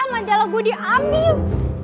majalah gue diambil